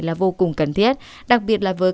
là vô cùng cần thiết đặc biệt là với